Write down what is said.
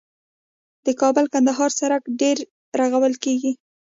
د کابل - کندهار سړک بیا رغول کیږي